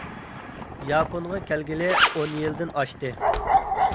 ياپونغا كەلگىلى ئون يىلدىن ئاشتى.